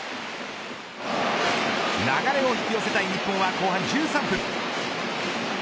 流れを引き寄せたい日本は後半１３分。